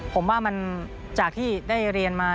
ผมว่ามันจากที่ได้เรียนมา